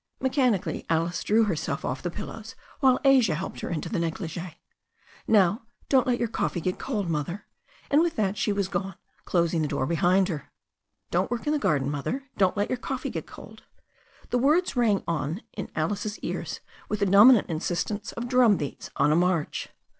Mechanically Alice drew herself off the pillows, while Asia helped her into her negligee. "Now, don't let your coffee get cold, Mother," and with that she was gone, closing the door behind her. "Don't work in the garden. Mother. Don't let your coffee get cold." The words rang on in Alice's ears with the dominant insistence of drum beats on a march.